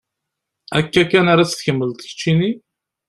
Akka kan ara tt-tkemmleḍ keččini?